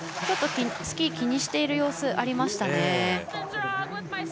ちょっとスキーを気にしている様子がありましたね。